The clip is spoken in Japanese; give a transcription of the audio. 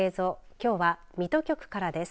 きょうは水戸局からです。